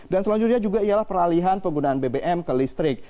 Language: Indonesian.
dan selanjutnya juga ialah peralihan penggunaan bbm ke listrik